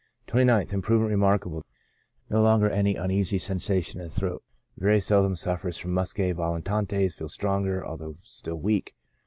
29th, — Improvement remarkable ; no longer any uneasy sensation in the throat, very seldom suffers from muscae volitantes ; feels stronger, although still weak.